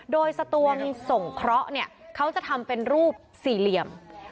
โดยสตวงสงเคราะห์เนี่ยเขาจะทำเป็นรูปสี่เหลี่ยม